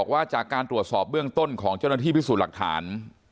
ว่าจากการตรวจสอบเบื้องต้นของเจ้าหน้าที่พิสูจน์หลักฐาน